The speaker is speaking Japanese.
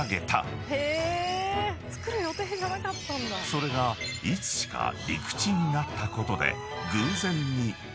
［それがいつしか陸地になったことで］